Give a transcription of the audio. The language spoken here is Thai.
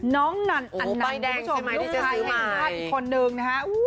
น้องนันอันนั้นลูกชายให้ให้อีกคนหนึ่งนะฮะ